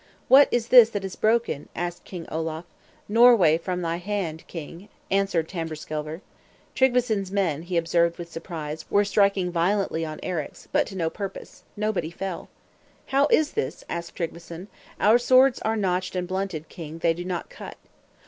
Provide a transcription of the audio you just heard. "What is this that has broken?" asked King Olaf. "Norway from thy hand, king," answered Tamberskelver. Tryggveson's men, he observed with surprise, were striking violently on Eric's; but to no purpose: nobody fell. "How is this?" asked Tryggveson. "Our swords are notched and blunted, king; they do not cut."